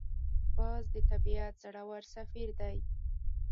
باز د طبیعت زړور سفیر دی